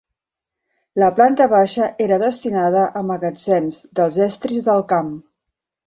La planta baixa era destinada a magatzems dels estris del camp.